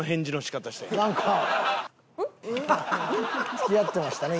付き合ってましたね